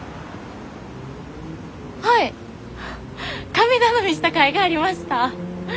神頼みしたかいがありました。